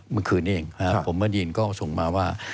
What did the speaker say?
มันคือนี้เองผมเมื่อได้ยินก็ส่งมาว่า